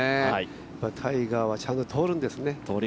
タイガーはちゃんととるんですね。